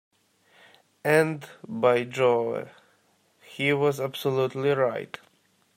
And, by Jove, he was absolutely right.